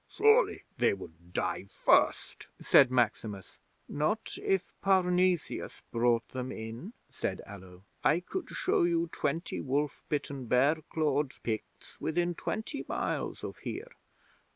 '"Surely they would die first," said Maximus. '"Not if Parnesius brought them in," said Allo. "I could show you twenty wolf bitten, bear clawed Picts within twenty miles of here.